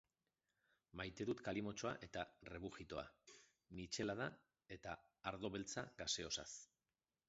Maite ditut kalimotxoa eta rebujitoa, michelada eta ardo beltza gaseosaz.